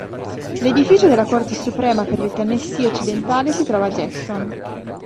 L'edificio della Corte Suprema per il Tennessee occidentale si trova a Jackson.